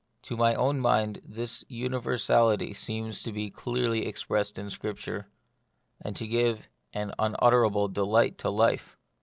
To my own mind this universality seems to be clearly ex pressed in Scripture, and to give an unutter The Mystery of Pain. 6 1 able delight to life.